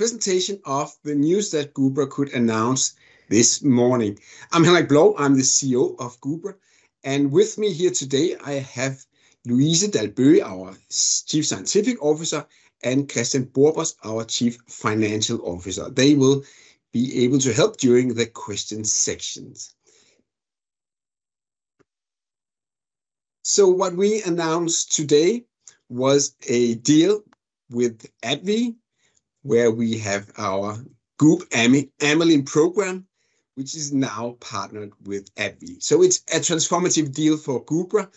Presentation of the news that Gubra could announce this morning. I'm Henrik Blou, I'm the CEO of Gubra, and with me here today I have Louise Dalbøge, our Chief Scientific Officer, and Kristian Borbos, our Chief Financial Officer. They will be able to help during the question sections. What we announced today was a deal with AbbVie, where we have our GUBamy Amylin Program, which is now partnered with AbbVie. It is a transformative deal for Gubra,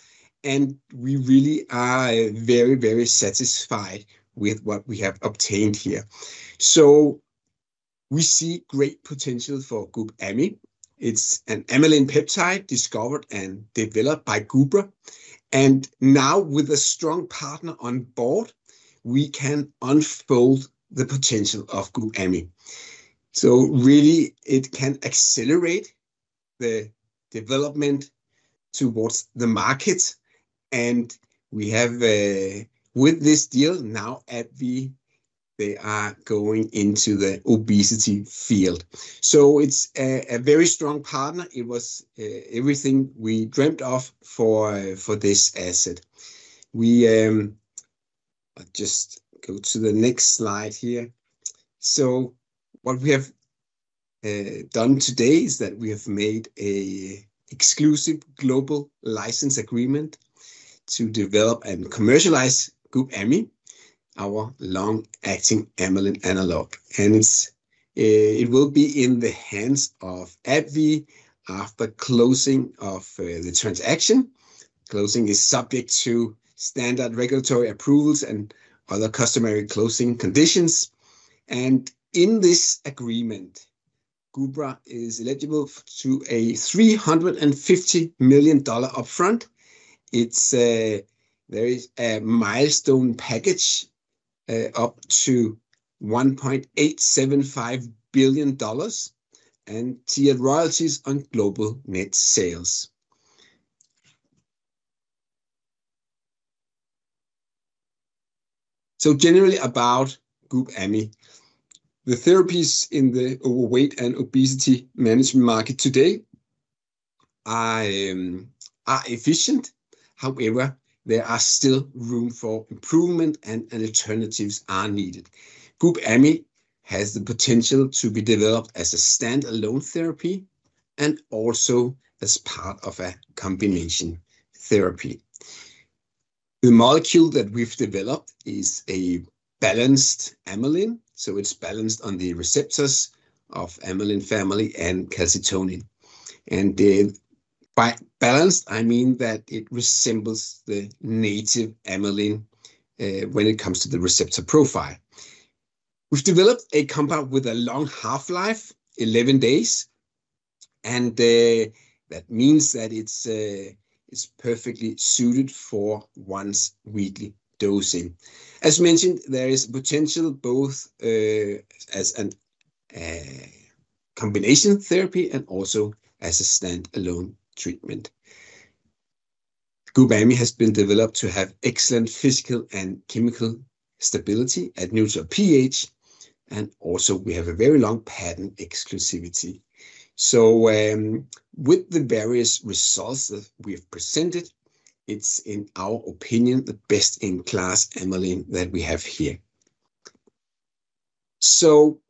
and we really are very, very satisfied with what we have obtained here. We see great potential for GUBamy. It's an Amylin peptide discovered and developed by Gubra, and now with a strong partner on board, we can unfold the potential of GUBamy. It can really accelerate the development towards the market, and we have with this deal now at AbbVie, they are going into the obesity field. It is a very strong partner. It was everything we dreamt of for this asset. We just go to the next slide here. What we have done today is that we have made an Exclusive Global License Agreement to develop and commercialize GUBamy, our long-acting Amylin Analog, and it will be in the hands of AbbVie after closing of the transaction. Closing is subject to standard regulatory approvals and other customary closing conditions, and in this agreement, Gubra is eligible to a $350 million upfront. It is a very milestone package up to $1.875 billion and tiered royalties on global net sales. Generally about GUBamy, the therapies in the overweight and obesity management market today are efficient. However, there is still room for improvement, and alternatives are needed. GUBamy has the potential to be developed as a standalone therapy and also as part of a combination therapy. The molecule that we've developed is a balanced Amylin, so it's balanced on the receptors of the Amylin Family and calcitonin, and by balanced, I mean that it resembles the native Amylin when it comes to the receptor profile. We've developed a compound with a long half-life, 11 days, and that means that it's perfectly suited for once weekly dosing. As mentioned, there is potential both as a combination therapy and also as a standalone treatment. GUBamy has been developed to have excellent physical and chemical stability at neutral pH, and also we have a very long patent exclusivity. With the various results that we have presented, it's in our opinion the best-in-class Amylin that we have here.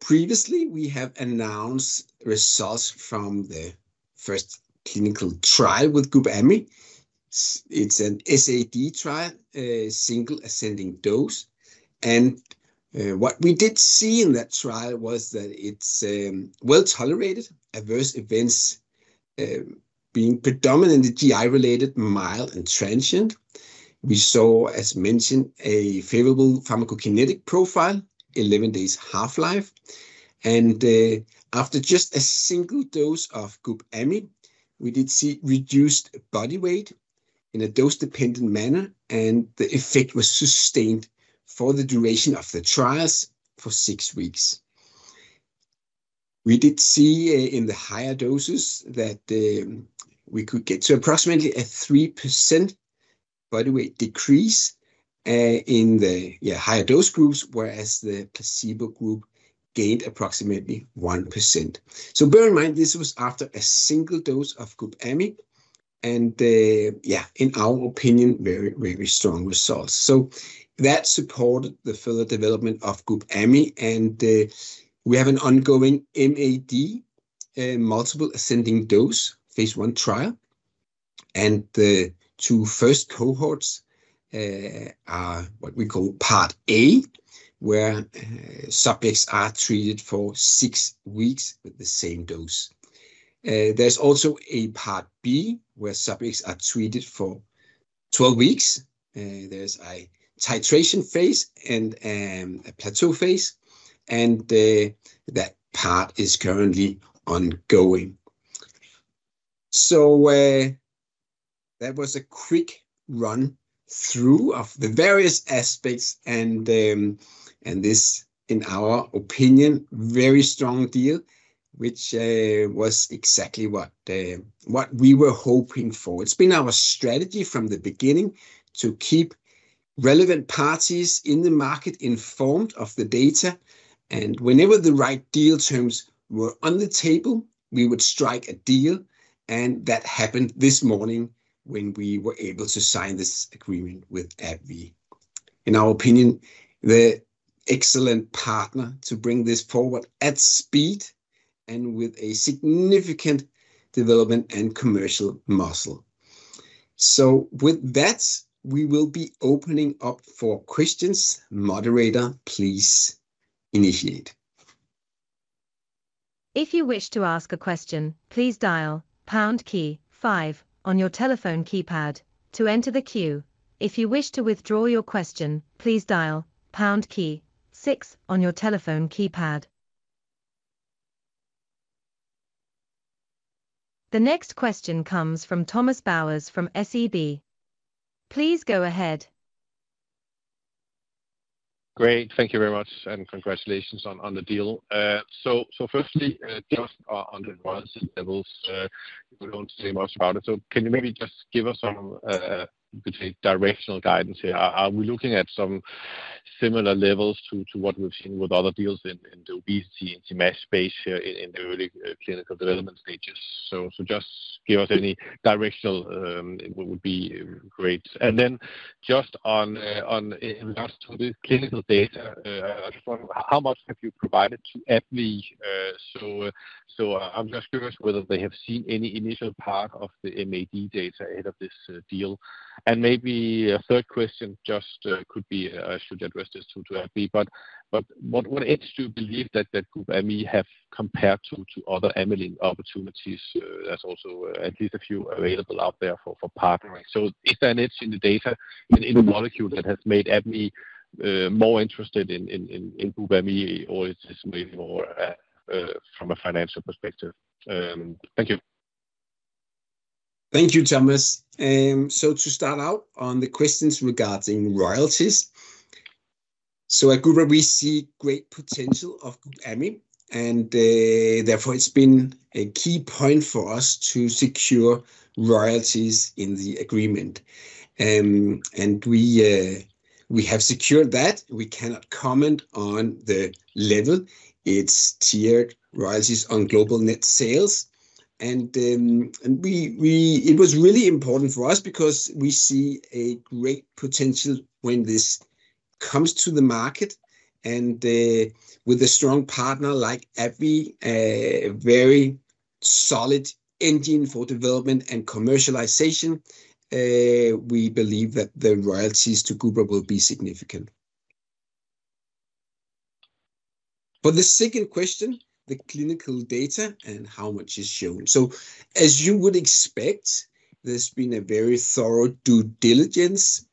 Previously, we have announced results from the first clinical trial with GUBamy. It's an SAD trial, a single ascending dose, and what we did see in that trial was that it's well tolerated, adverse events being predominantly GI-related, mild and transient. We saw, as mentioned, a favorable pharmacokinetic profile, 11 days half-life, and after just a single dose of GUBamy, we did see reduced body weight in a dose-dependent manner, and the effect was sustained for the duration of the trials for six weeks. We did see in the higher doses that we could get to approximately a 3% decrease in the higher dose groups, whereas the placebo group gained approximately 1%. Bear in mind, this was after a single dose of GUBamy, and yeah, in our opinion, very, very strong results. That supported the further development of GUBamy, and we have an ongoing MAD, multiple ascending dose phase I trial, and the two first cohorts are what we call part A, where subjects are treated for six weeks with the same dose. There is also a part B where subjects are treated for 12 weeks. There is a titration phase and a plateau phase, and that part is currently ongoing. That was a quick run through of the various aspects, and this, in our opinion, very strong deal, which was exactly what we were hoping for. It's been our strategy from the beginning to keep relevant parties in the market informed of the data, and whenever the right deal terms were on the table, we would strike a deal, and that happened this morning when we were able to sign this agreement with AbbVie. In our opinion, the excellent partner to bring this forward at speed and with a significant development and commercial muscle. With that, we will be opening up for questions. Moderator, please initiate. If you wish to ask a question, please dial pound key five on your telephone keypad to enter the queue. If you wish to withdraw your question, please dial pound key six on your telephone keypad. The next question comes from Thomas Bowers from SEB. Please go ahead. Great, thank you very much, and congratulations on the deal. Firstly, just on the advanced levels, we do not say much about it, so can you maybe just give us some directional guidance here? Are we looking at some similar levels to what we have seen with other deals in the obesity and obese patients here in the early clinical development stages? Just give us any directional would be great. In regards to the clinical data, how much have you provided to AbbVie? I am just curious whether they have seen any initial part of the MAD data ahead of this deal. Maybe a third question could be I should address this to AbbVie, but what edge do you believe that GUBamy has compared to other Amylin opportunities? There are also at least a few available out there for partnering. Is there an edge in the data in the molecule that has made AbbVie more interested in GUBamy, or is this made more from a financial perspective? Thank you. Thank you, Thomas. To start out on the questions regarding royalties, at Gubra, we see great potential of GUBamy, and therefore it's been a key point for us to secure royalties in the agreement, and we have secured that. We cannot comment on the level. It's tiered royalties on global net sales, and it was really important for us because we see a great potential when this comes to the market, and with a strong partner like AbbVie, a very solid engine for development and commercialization, we believe that the royalties to Gubra will be significant. For the second question, the clinical data and how much is shown. As you would expect, there's been a very thorough due diligence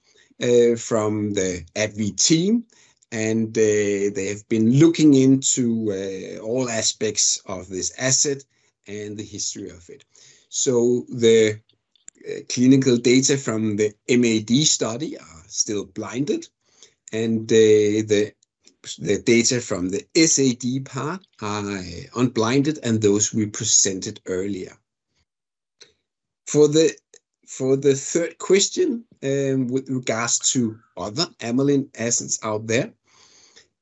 from the AbbVie team, and they have been looking into all aspects of this asset and the history of it. The clinical data from the MAD study are still blinded, and the data from the SAD part are unblinded, and those we presented earlier. For the third question, with regards to other Amylin assets out there,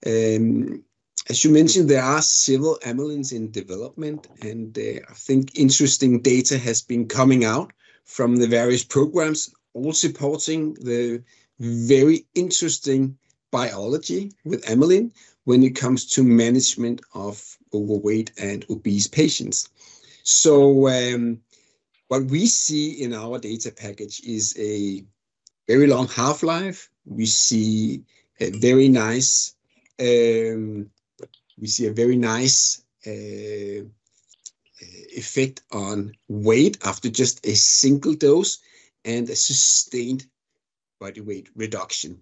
as you mentioned, there are several Amylins in development, and I think interesting data has been coming out from the various programs all supporting the very interesting biology with Amylin when it comes to management of overweight and obese patients. What we see in our data package is a very long half-life. We see a very nice effect on weight after just a single dose and a sustained body weight reduction.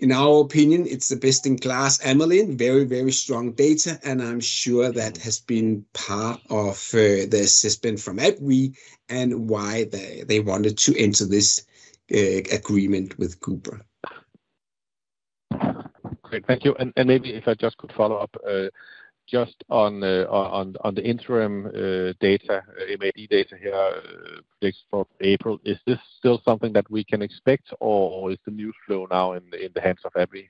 In our opinion, it's the best-in-class Amylin, very, very strong data, and I'm sure that has been part of the assessment from AbbVie and why they wanted to enter this agreement with Gubra. Great, thank you. Maybe if I just could follow up just on the interim data, MAD data here from April, is this still something that we can expect, or is the new flow now in the hands of AbbVie?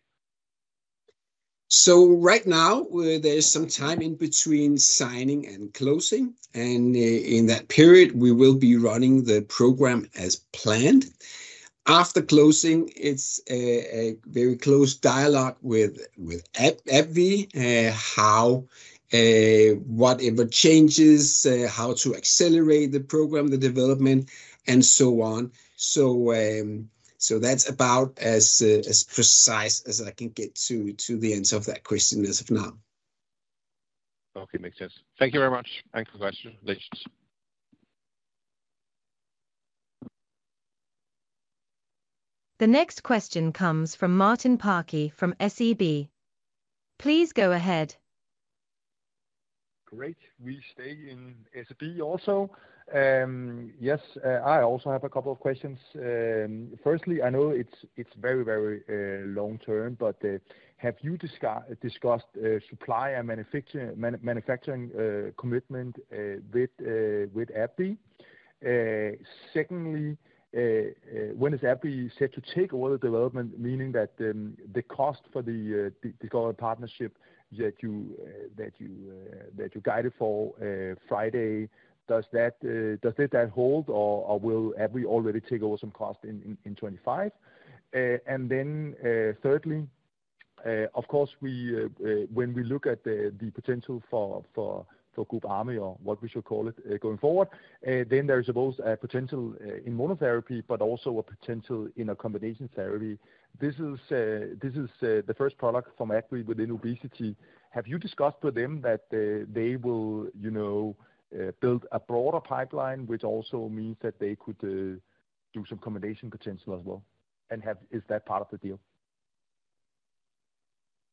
Right now, there is some time in between signing and closing, and in that period, we will be running the program as planned. After closing, it's a very close dialogue with AbbVie how whatever changes, how to accelerate the program, the development, and so on. That's about as precise as I can get to the ends of that question as of now. Okay, makes sense. Thank you very much. Thank you for the question. The next question comes from Martin Parkey from SEB. Please go ahead. Great, we stay in SEB also. Yes, I also have a couple of questions. Firstly, I know it's very, very long term, but have you discussed supplier and manufacturing commitment with AbbVie? Secondly, when is AbbVie set to take over the development, meaning that the cost for the discovery partnership that you guided for Friday, does that hold, or will AbbVie already take over some cost in 2025? Thirdly, of course, when we look at the potential for GUBamy, or what we should call it, going forward, then there is both a potential in monotherapy, but also a potential in a combination therapy. This is the first product from AbbVie within obesity. Have you discussed with them that they will build a broader pipeline, which also means that they could do some combination potential as well? Is that part of the deal?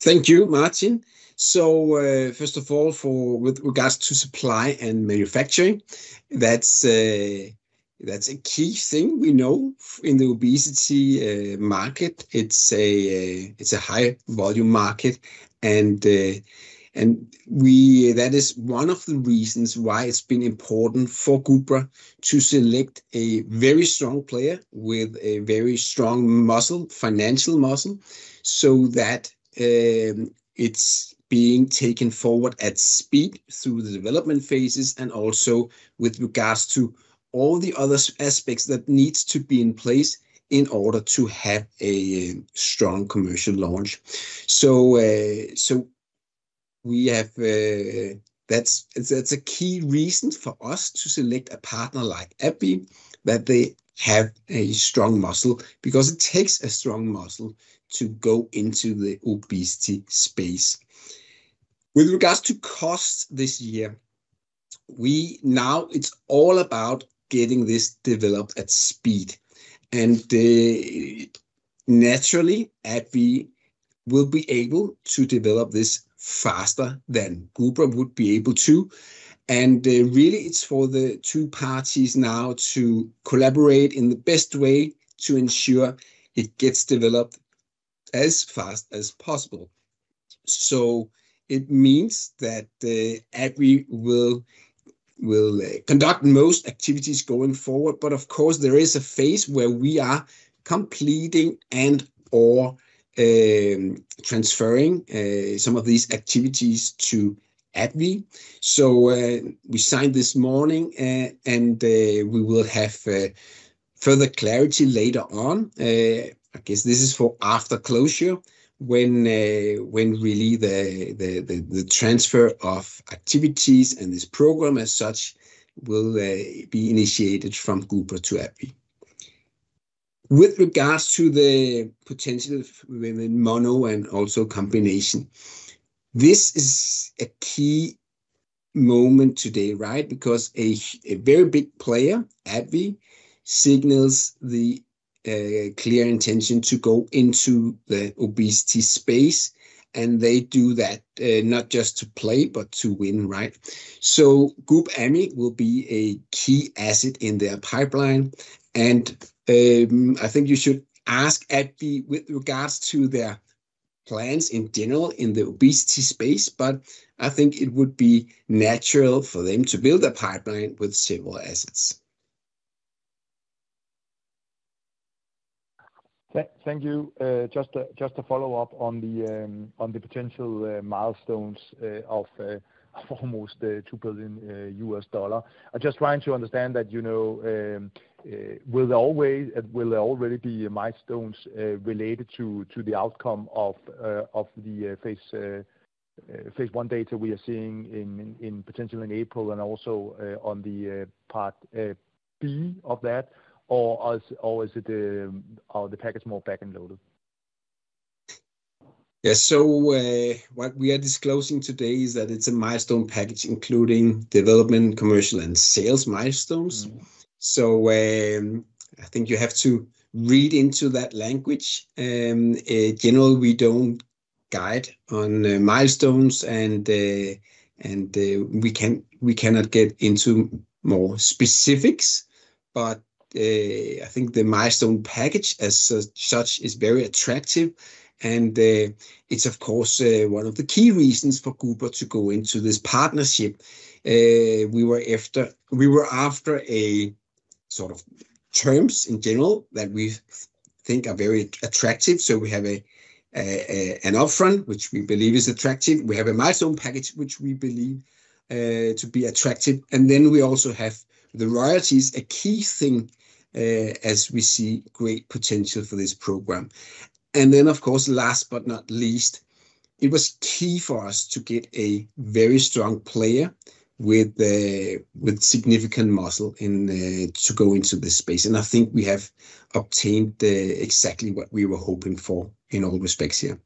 Thank you, Martin. First of all, with regards to supply and manufacturing, that's a key thing we know in the obesity market. It's a high-volume market, and that is one of the reasons why it's been important for Gubra to select a very strong player with a very strong muscle, financial muscle, so that it's being taken forward at speed through the development phases and also with regards to all the other aspects that need to be in place in order to have a strong commercial launch. That's a key reason for us to select a partner like AbbVie, that they have a strong muscle, because it takes a strong muscle to go into the obesity space. With regards to costs this year, now it's all about getting this developed at speed, and naturally, AbbVie will be able to develop this faster than Gubra would be able to, and really, it's for the two parties now to collaborate in the best way to ensure it gets developed as fast as possible. It means that AbbVie will conduct most activities going forward, but of course, there is a phase where we are completing and/or transferring some of these activities to AbbVie. We signed this morning, and we will have further clarity later on. I guess this is for after closure, when really the transfer of activities and this program as such will be initiated from Gubra to AbbVie. With regards to the potential within mono and also combination, this is a key moment today, right? Because a very big player, AbbVie, signals the clear intention to go into the obesity space, and they do that not just to play, but to win, right? GUBamy will be a key asset in their pipeline, and I think you should ask AbbVie with regards to their plans in general in the obesity space, but I think it would be natural for them to build a pipeline with several assets. Thank you. Just a follow-up on the potential milestones of almost $2 billion. I'm just trying to understand that will there already be milestones related to the outcome of the phase I data we are seeing potentially in April and also on the part B of that, or is the package more back and loaded? Yeah, what we are disclosing today is that it's a milestone package including development, commercial, and sales milestones. I think you have to read into that language. In general, we don't guide on milestones, and we cannot get into more specifics, but I think the milestone package as such is very attractive, and it's, of course, one of the key reasons for Gubra to go into this partnership. We were after a sort of terms in general that we think are very attractive. We have an upfront, which we believe is attractive. We have a milestone package, which we believe to be attractive. We also have the royalties, a key thing as we see great potential for this program. Of course, last but not least, it was key for us to get a very strong player with significant muscle to go into this space, and I think we have obtained exactly what we were hoping for in all respects here.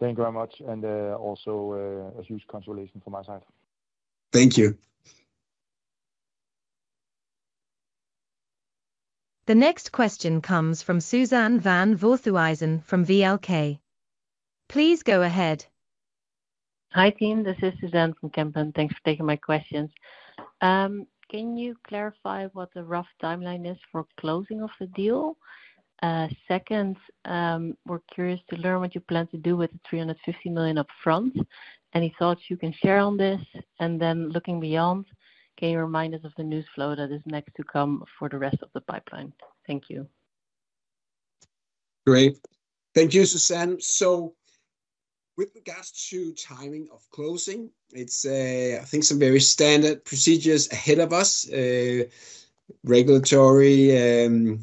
Thank you very much, and also a huge consolation from my side. Thank you. The next question comes from Suzanne Van Voorthuizen from Kempen. Please go ahead. Hi team, this is Suzanne from Kempen. Thanks for taking my questions. Can you clarify what the rough timeline is for closing of the deal? Second, we're curious to learn what you plan to do with the $350 million upfront. Any thoughts you can share on this? Looking beyond, can you remind us of the news flow that is next to come for the rest of the pipeline? Thank you. Great. Thank you, Suzanne. With regards to timing of closing, I think some very standard procedures are ahead of us, regulatory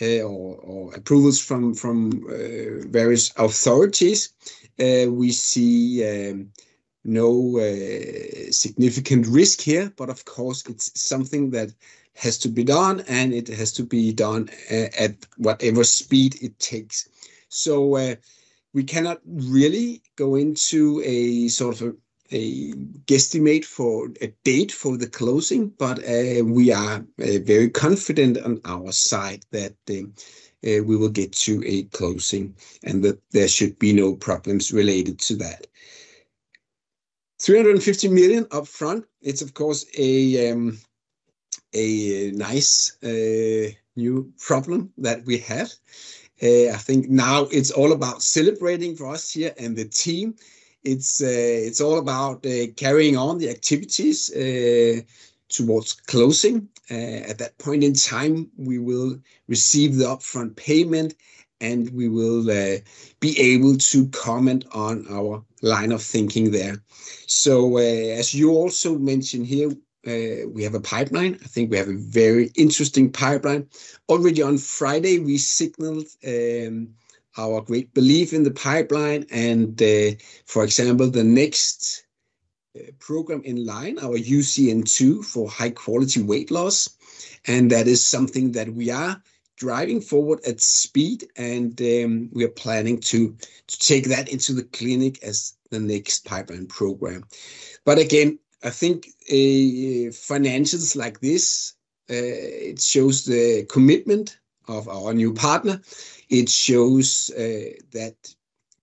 or approvals from various authorities. We see no significant risk here, but of course, it is something that has to be done, and it has to be done at whatever speed it takes. We cannot really go into a sort of a guesstimate for a date for the closing, but we are very confident on our side that we will get to a closing and that there should be no problems related to that. $350 million upfront, it is of course a nice new problem that we have. I think now it is all about celebrating for us here and the team. It is all about carrying on the activities towards closing. At that point in time, we will receive the upfront payment, and we will be able to comment on our line of thinking there. As you also mentioned here, we have a pipeline. I think we have a very interesting pipeline. Already on Friday, we signaled our great belief in the pipeline, and for example, the next program in line, our UCN2 for high-quality weight loss, and that is something that we are driving forward at speed, and we are planning to take that into the clinic as the next pipeline program. I think financials like this, it shows the commitment of our new partner. It shows that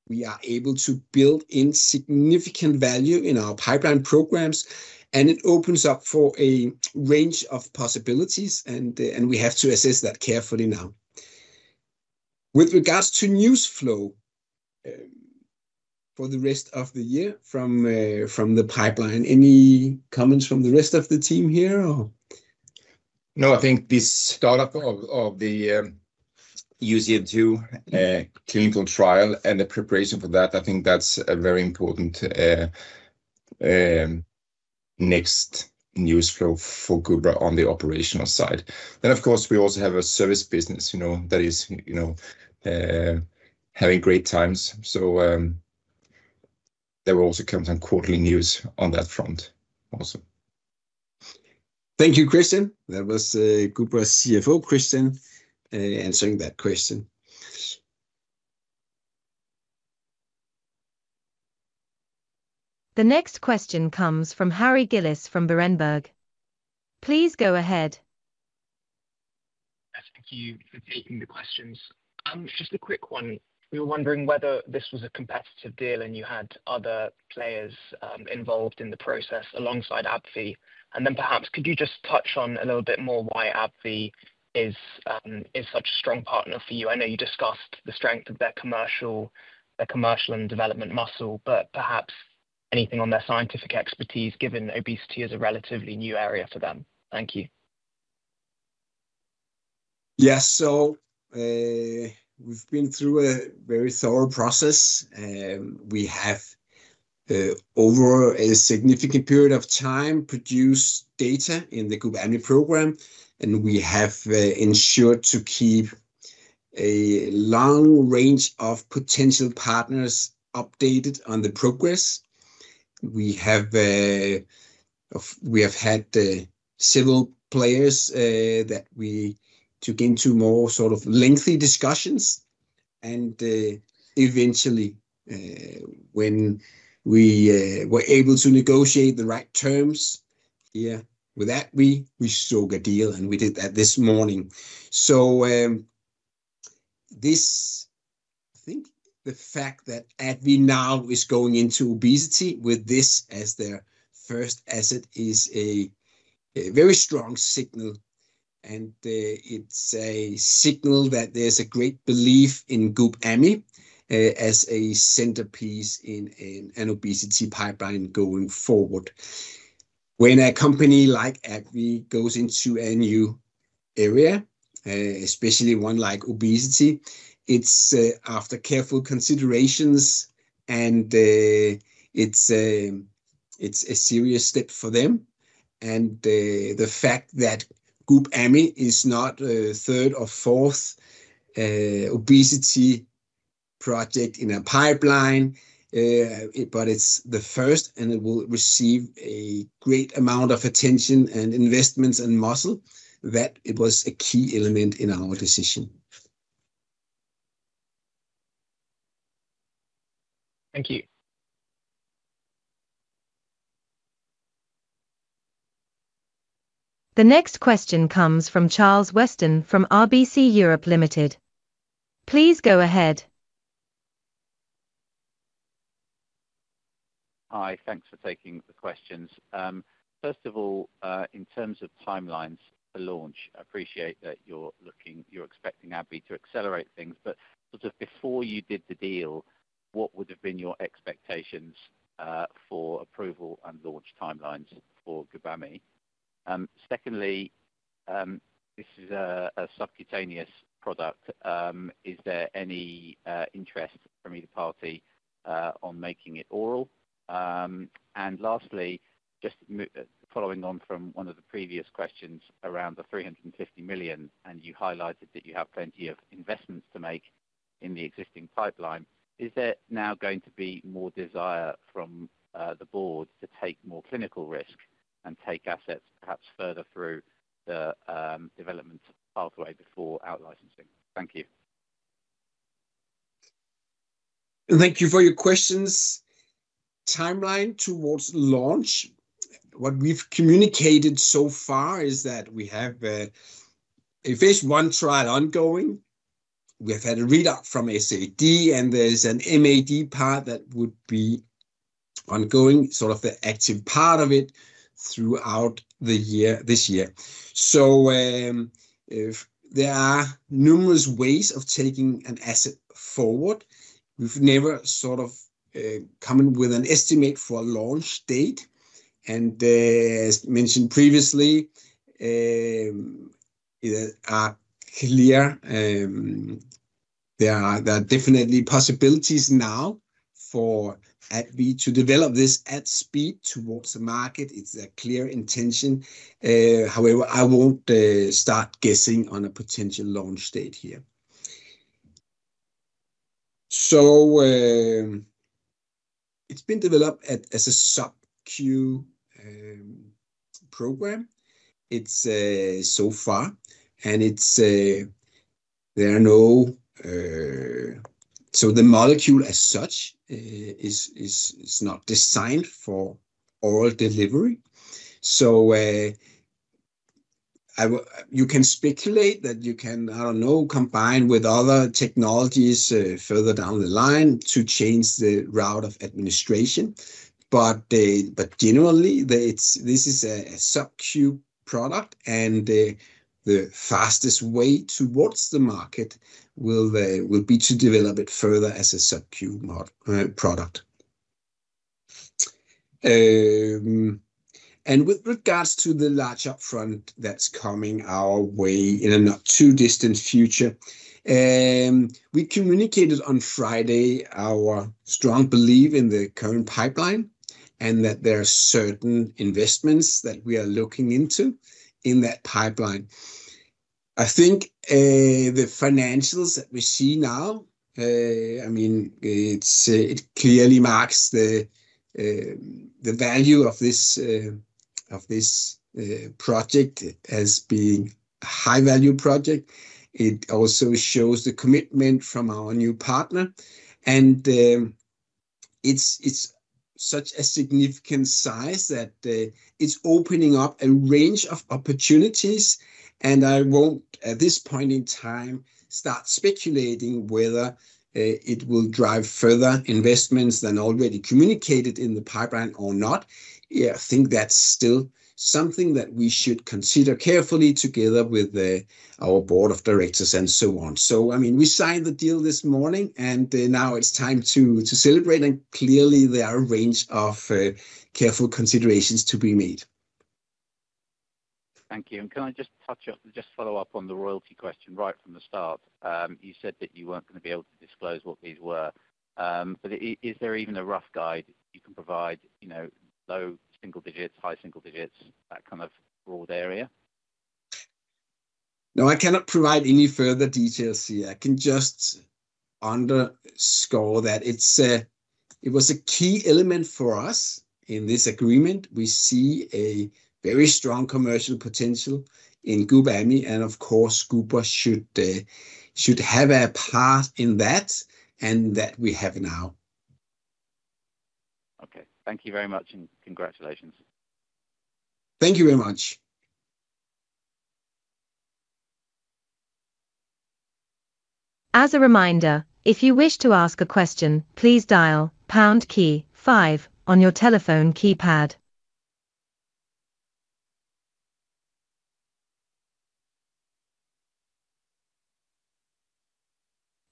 we are able to build in significant value in our pipeline programs, and it opens up for a range of possibilities, and we have to assess that carefully now. With regards to news flow for the rest of the year from the pipeline, any comments from the rest of the team here? No, I think this startup of the UCN2 clinical trial and the preparation for that, I think that's a very important next news flow for Gubra on the operational side. Of course, we also have a service business that is having great times. There will also come some quarterly news on that front also. Thank you, Kristian. That was Gubra's CFO, Kristian, answering that question. The next question comes from Harry Gillis from Berenberg. Please go ahead. Thank you for taking the questions. Just a quick one. We were wondering whether this was a competitive deal and you had other players involved in the process alongside AbbVie. Perhaps could you just touch on a little bit more why AbbVie is such a strong partner for you? I know you discussed the strength of their commercial and development muscle, but perhaps anything on their scientific expertise given obesity is a relatively new area for them. Thank you. Yes, so we've been through a very thorough process. We have, over a significant period of time, produced data in the GUBamy program, and we have ensured to keep a long range of potential partners updated on the progress. We have had several players that we took into more sort of lengthy discussions, and eventually, when we were able to negotiate the right terms here with AbbVie, we struck a deal, and we did that this morning. I think the fact that AbbVie now is going into obesity with this as their first asset is a very strong signal, and it's a signal that there's a great belief in GUBamy as a centerpiece in an obesity pipeline going forward. When a company like AbbVie goes into a new area, especially one like obesity, it's after careful considerations, and it's a serious step for them. The fact that GUBamy is not a third or fourth obesity project in a pipeline, but it's the first, and it will receive a great amount of attention and investments and muscle, that it was a key element in our decision. Thank you. The next question comes from Charles Weston from RBC Europe Limited. Please go ahead. Hi, thanks for taking the questions. First of all, in terms of timelines for launch, I appreciate that you're expecting AbbVie to accelerate things, but sort of before you did the deal, what would have been your expectations for approval and launch timelines for GUBamy? Secondly, this is a subcutaneous product. Is there any interest from either party on making it oral? And lastly, just following on from one of the previous questions around the $350 million, and you highlighted that you have plenty of investments to make in the existing pipeline, is there now going to be more desire from the board to take more clinical risk and take assets perhaps further through the development pathway before outlicensing? Thank you. Thank you for your questions. Timeline towards launch, what we've communicated so far is that we have a phase I trial ongoing. We have had a readout from SAD, and there's an MAD part that would be ongoing, sort of the active part of it throughout this year. There are numerous ways of taking an asset forward. We've never sort of come in with an estimate for a launch date. As mentioned previously, there are definitely possibilities now for AbbVie to develop this at speed towards the market. It's a clear intention. However, I won't start guessing on a potential launch date here. It's been developed as a sub-queue program so far, and the molecule as such is not designed for oral delivery. You can speculate that you can, I don't know, combine with other technologies further down the line to change the route of administration. Generally, this is a sub-queue product, and the fastest way towards the market will be to develop it further as a sub-queue product. With regards to the large upfront that's coming our way in a not too distant future, we communicated on Friday our strong belief in the current pipeline and that there are certain investments that we are looking into in that pipeline. I think the financials that we see now, I mean, it clearly marks the value of this project as being a high-value project. It also shows the commitment from our new partner. It is such a significant size that it is opening up a range of opportunities. I won't, at this point in time, start speculating whether it will drive further investments than already communicated in the pipeline or not. I think that's still something that we should consider carefully together with our board of directors and so on. I mean, we signed the deal this morning, and now it's time to celebrate. Clearly, there are a range of careful considerations to be made. Thank you. Can I just touch up, just follow up on the royalty question right from the start? You said that you were not going to be able to disclose what these were. Is there even a rough guide you can provide, low single digits, high single digits, that kind of broad area? No, I cannot provide any further details here. I can just underscore that it was a key element for us in this agreement. We see a very strong commercial potential in GUBamy and of course, Gubra should have a part in that, and that we have now. Okay. Thank you very much, and congratulations. Thank you very much. As a reminder, if you wish to ask a question, please dial pound key five on your telephone keypad.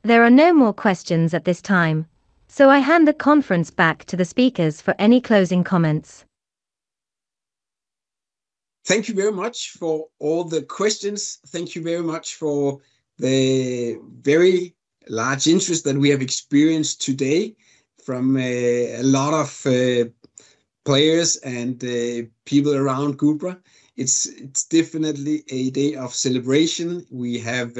There are no more questions at this time, so I hand the conference back to the speakers for any closing comments. Thank you very much for all the questions. Thank you very much for the very large interest that we have experienced today from a lot of players and people around Gubra. It is definitely a day of celebration. We have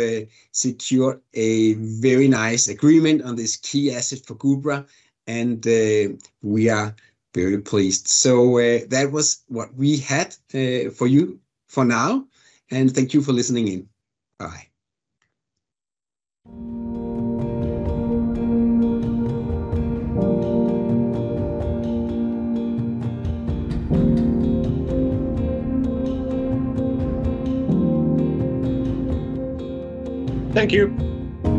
secured a very nice agreement on this key asset for Gubra, and we are very pleased. That was what we had for you for now. Thank you for listening in. Bye. Thank you.